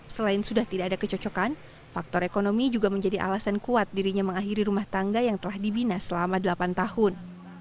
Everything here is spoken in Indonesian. selain sudah tidak ada kecocokan faktor ekonomi juga menjadi alasan kuat dirinya mengakhiri rumah tangga yang telah dibina selama delapan tahun